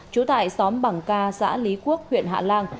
chú tại xóm bản giao giã lý quốc huyện hạ lan